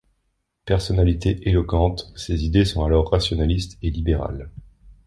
Personnalité éloquente, ses idées sont alors rationaliste et libérale.